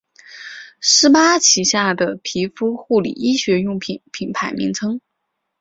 施巴旗下的皮肤护理医学用品品牌名称。